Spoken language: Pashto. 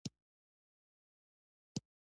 صاحب منصبان وتښتېدل او د امیر پوځ ماته وکړه.